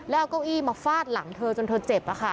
แล้วเอาเก้าอี้มาฟาดหลังเธอจนเธอเจ็บ